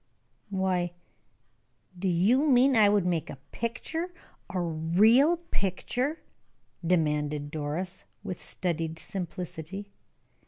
"Why, do you mean I would make a picture a real picture?" demanded Doris, with studied simplicity.